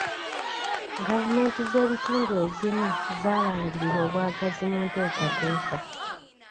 Gavumenti z'ebitundu ezimu zaalangirira obwagazi mu nteekateeka.